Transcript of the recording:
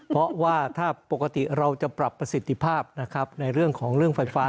เพราะว่าถ้าปกติเราจะปรับประสิทธิภาพนะครับในเรื่องของเรื่องไฟฟ้า